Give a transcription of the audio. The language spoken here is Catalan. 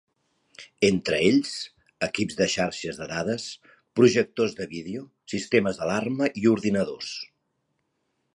Entre ells, equips de xarxes de dades, projectors de vídeo, sistemes d'alarma i ordinadors.